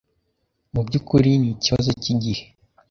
Mubyukuri nikibazo cyigihe.